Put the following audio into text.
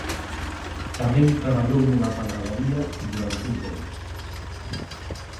Tamén traballou nunha panadaría durante un tempo.